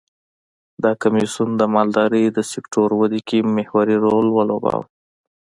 دا کمېسیون د مالدارۍ د سکتور ودې کې محوري رول ولوباوه.